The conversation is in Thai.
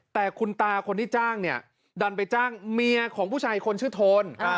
แต่คุณตาคนที่จ้างเนี่ยดันไปจ้างเมียของผู้ชายคนชื่อโทน